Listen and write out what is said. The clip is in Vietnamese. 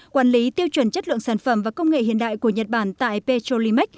quản lý tiêu chuẩn chất lượng sản phẩm và công nghệ hiện đại của nhật bản tại petrolimax